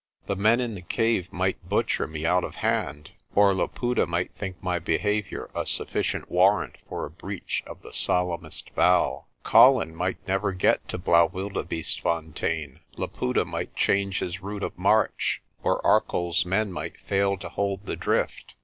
The men in the cave might butcher me out of hand, or Laputa might think my behaviour a sufficient warrant for the breach of the solemnest vow. Colin might 126 I GO TREASURE HUNTING 127 never get to Blaauwildebeestefontein, Laputa might change his route of march, or ArcolPs men might fail to hold the drift.